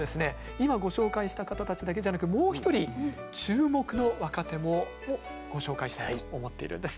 今ご紹介した方たちだけじゃなくもう一人注目の若手もご紹介したいと思っているんです。